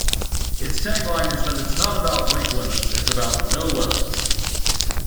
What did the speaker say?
Its tagline is that It's not about weight limits, it's about no limits!